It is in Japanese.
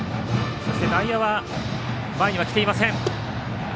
そして内野は前には来ていません。